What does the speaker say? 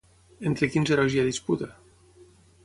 Entre quins herois hi ha disputa?